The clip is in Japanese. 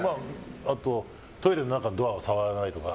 トイレの中のドアは触らないとか。